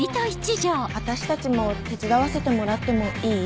私たちも手伝わせてもらってもいい？